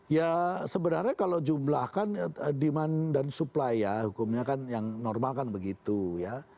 ya sebenarnya kalau jumlah kan demand dan supply ya hukumnya kan yang normal kan begitu ya